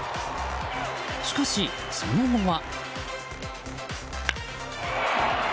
しかし、その後は。